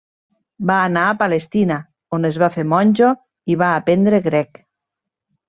Va anar a Palestina, on es va fer monjo i va aprendre grec.